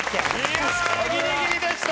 いやあギリギリでした。